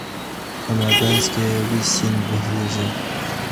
په مابينځ کي یو لوی سيند بهېږي.